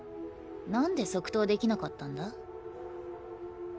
何で即答できなかったんだ？